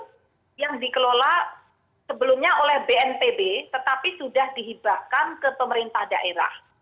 dan bagian hilir yang dikelola sebelumnya oleh bntb tetapi sudah dihibahkan ke pemerintah daerah